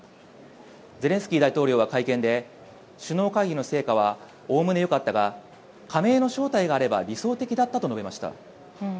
ゼレンスキー大統領は会見で首脳会議の成果はおおむね良かったが加盟の招待があれば理想的だったと述べました。